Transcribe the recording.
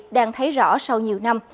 đang thấy rõ sau nhiều năm